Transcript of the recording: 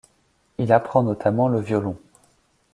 Il apprend notamment le violon.